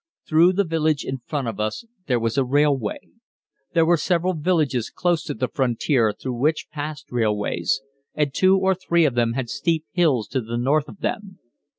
Through the village in front of us there was a railway. There were several villages close to the frontier through which passed railways, and two or three of them had steep hills to the north of them.